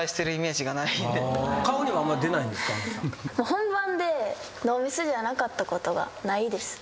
本番でノーミスじゃなかったことがないです。